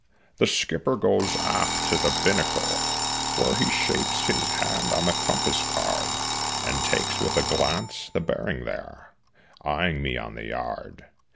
The skipper goes aft to the binnacle, where He shapes his hand on the compass card, And takes with a glance the bearing there, Eying me on the yard.